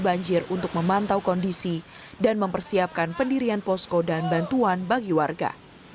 banjir untuk memantau kondisi dan mempersiapkan pendirian posko dan bantuan bagi warga